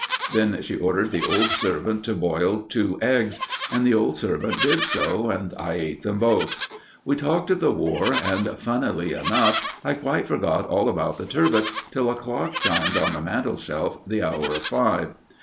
Then she ordered the old servant to boil two eggs; and the old servant did so, and I ate them both. We talked of the War, and, funnily enough, I quite forgot all about the "Turbot" till a clock chimed on the mantelshelf the hour of five.